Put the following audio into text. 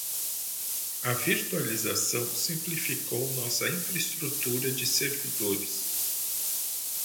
A virtualização simplificou nossa infraestrutura de servidores.